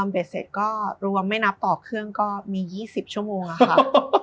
เบ็ดเสร็จก็รวมไม่นับต่อเครื่องก็มี๒๐ชั่วโมงค่ะ